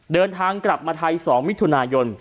เดินทางกลับมาไทย๒มิถุนายน